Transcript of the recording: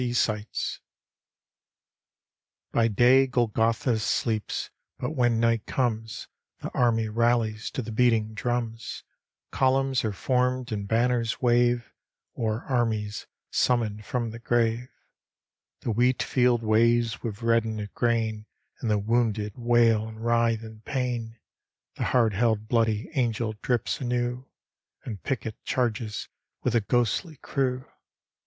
sbttz By day Golgotha deeps, but when nig^t comes The army rallies to the beating drums ; O^umns are formed and banners wave O'er armies summoned from the grave. The wheat field waves with reddened grain And the wounded wail and writhe in pain. The hard held Bloody Angle drips anew And Pickett chaises with a ghostly crew.